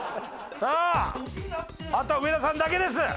さああとは上田さんだけです。